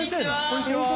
こんにちは。